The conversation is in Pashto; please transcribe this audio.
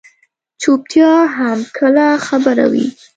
چُپتیا هم کله خبره وي.